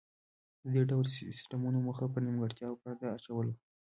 د دې ډول سیستمونو موخه پر نیمګړتیاوو پرده اچول و